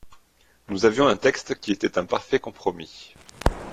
Nous avions un texte qui était un parfait compromis.